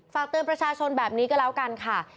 ฝากเตือนประชาชนแบบนี้ก็แล้วกันค่ะ